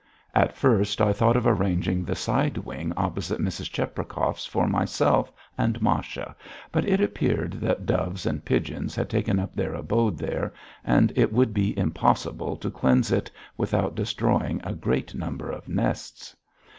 At first I thought of arranging the side wing opposite Mrs. Cheprakov's for myself and Masha, but it appeared that doves and pigeons had taken up their abode there and it would be impossible to cleanse it without destroying a great number of nests.